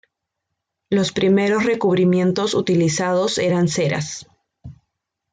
Los primeros recubrimientos utilizados eran ceras.